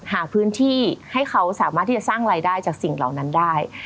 หาพื้นที่ให้เขาสามารถที่จะสร้างรายได้จากสิ่งเหล่านั้นได้